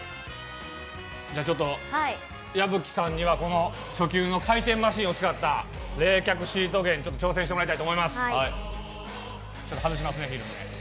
矢吹さんには初級の回転マシーンを使った冷却シート芸に挑戦してもらいたいと思います。